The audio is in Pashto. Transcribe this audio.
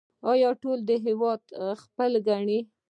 آیا ټول دا هیواد خپل ګڼي؟